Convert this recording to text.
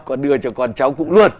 con đưa cho con cháu cũng luôn